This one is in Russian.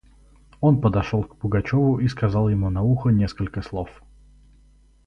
Он подошел к Пугачеву и сказал ему на ухо несколько слов.